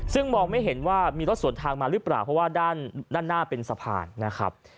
ซึ่งมองไม่เห็นว่ามีรถสวนทางมาหรือเปล่าเพราะว่าด้านหน้าเป็นสะพานนะครับ